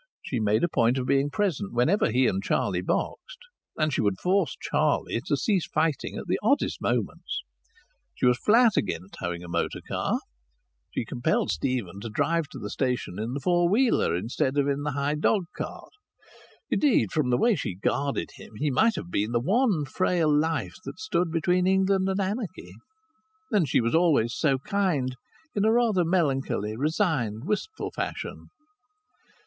She made a point of being present whenever he and Charlie boxed, and she would force Charlie to cease fighting at the oddest moments. She was flat against having a motor car; she compelled Stephen to drive to the station in the four wheeler instead of in the high dogcart. Indeed, from the way she guarded him, he might have been the one frail life that stood between England and anarchy. And she was always so kind, in a rather melancholy, resigned, wistful fashion.